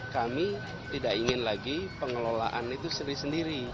kami tidak ingin lagi pengelolaan itu sendiri sendiri